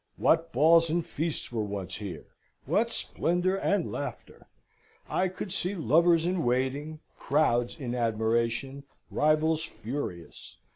What balls and feasts were once here, what splendour and laughter! I could see lovers in waiting, crowds in admiration, rivals furious.